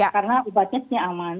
karena obatnya sebenarnya aman